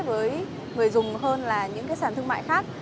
với người dùng hơn là những cái sản thương mại khác